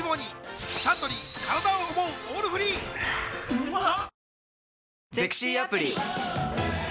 うまっ！